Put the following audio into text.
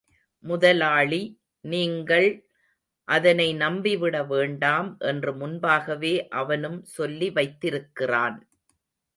முதலாளி, நீங்கள் அதனை நம்பிவிட வேண்டாம் என்று முன்பாகவே அவனும் சொல்லி வைத்திருக்கிறான்.